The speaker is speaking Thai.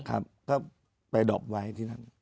ครับก็ไปดอบไว้ที่นั่น